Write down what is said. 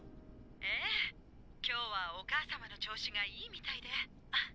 ええ今日はお母様の調子がいいみたいであっ。